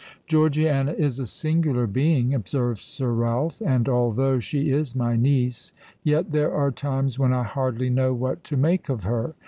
"Georgiana is a singular being," observed Sir Ralph; "and although she is my niece, yet there are times when I hardly know what to make of her.